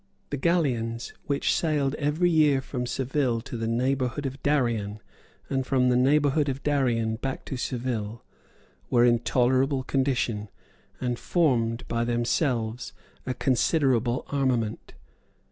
The galleons, which sailed every year from Seville to the neighbourhood of Darien and from the neighbourhood of Darien back to Seville, were in tolerable condition, and formed, by themselves, a considerable armament.